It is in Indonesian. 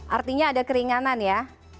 artinya ada keringanan ya